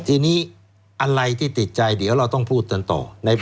ทีนี้อะไรที่ติดใจเดี๋ยวเราต้องพูดกันต่อ